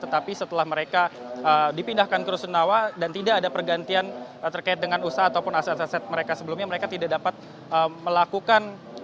tetapi setelah mereka dipindahkan ke rusun awa dan tidak ada pergantian terkait dengan usaha ataupun aset aset mereka sebelumnya mereka tidak dapat melakukan ataupun memodalkan kembali usaha mereka yang dulu